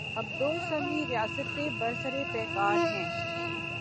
اب دوسنی ریاستیں برسر پیکار ہیں۔